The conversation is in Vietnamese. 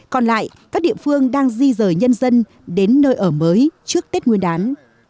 còn lại các địa phương đang di rời nhân dân đến nơi ở mới trước tết nguyên đán